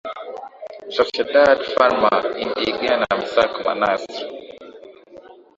Sociedad Pharma Indigena Misak Manasr